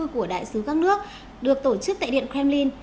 của đại sứ các nước được tổ chức tại điện kremlin